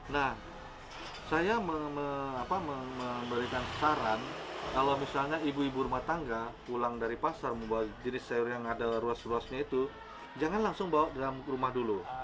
nah saya memberikan saran kalau misalnya ibu ibu rumah tangga pulang dari pasar membawa jenis sayur yang ada ruas ruasnya itu jangan langsung bawa dalam rumah dulu